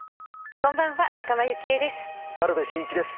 こんばんは仲間由紀恵です。